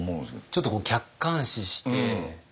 ちょっと客観視して。